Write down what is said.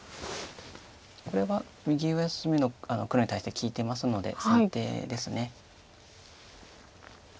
これは右上隅の黒に対して利いてますので先手です。